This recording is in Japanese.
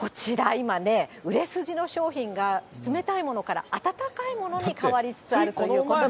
今ね、売れ筋の商品が冷たいものから温かいものに変わりつつあるということで、きょう。